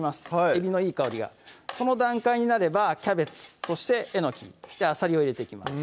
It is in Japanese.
えびのいい香りがその段階になればキャベツそしてえのきであさりを入れていきます